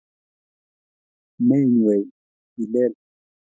Menywei ilel